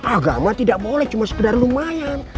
agama tidak boleh cuma sekedar lumayan